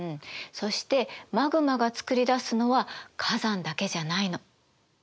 そしてマグマがつくりだすのは火山だけじゃないの。